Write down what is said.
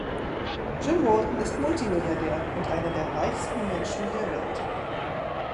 Jim Walton ist Multi-Milliardär und einer der reichsten Menschen der Welt.